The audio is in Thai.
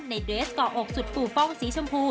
ในเดสก่ออกสุดฟูฟ่องสีชมพู